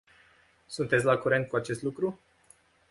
Sunteți la curent cu acest lucru?